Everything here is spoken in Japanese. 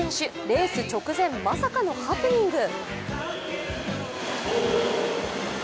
レース直前、まさかのハプニング。